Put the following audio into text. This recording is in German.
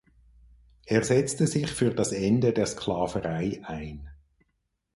Er setzte sich für das Ende der Sklaverei ein.